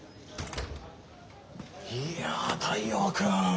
いや太陽君。